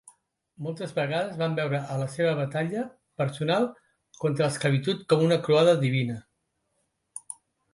Moltes vegades van veure a la seva batalla personal contra l'esclavitud com una croada divina.